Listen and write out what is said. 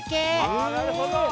あなるほど。